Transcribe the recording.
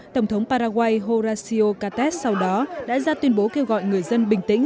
tổng thống paraguay horacio kates sau đó đã ra tuyên bố kêu gọi người dân bình tĩnh